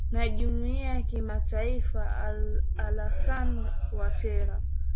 na jumuiya kimataifa alasan watera